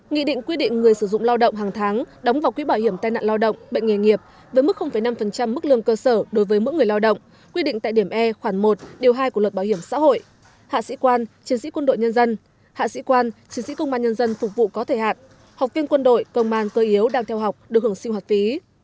nghị định quy định người sử dụng lao động hàng tháng đóng vào quỹ bảo hiểm tai nạn lao động bệnh nghề nghiệp với mức năm mức lương cơ sở đối với mỗi người lao động quy định tại điểm e khoảng một điều hai của luật bảo hiểm xã hội hạ sĩ quan chiến sĩ quân đội nhân dân hạ sĩ quan chiến sĩ công an nhân dân phục vụ có thời hạn học viên quân đội công an cơ yếu đang theo học được hưởng sinh hoạt phí